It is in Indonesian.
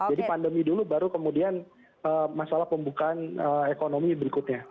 jadi pandemi dulu baru kemudian masalah pembukaan ekonomi berikutnya